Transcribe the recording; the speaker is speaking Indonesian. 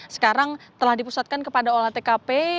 sekarang telah dipusatkan kepada olah tkp